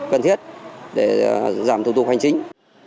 cần thiết để giảm thủ tục hành chính